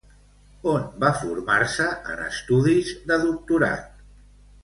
On va formar-se en estudis de doctorat?